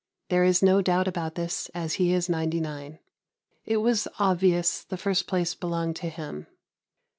There is no doubt about this, as he is 99. It was obvious the first place belonged to him.